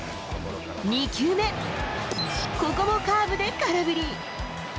２球目、ここもカーブで空振り。